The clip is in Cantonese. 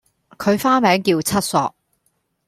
佢花名叫七索